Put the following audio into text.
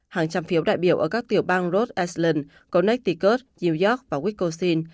hàng trăm phiếu đại biểu ở các tiểu bang rhode island connecticut new york và wisconsin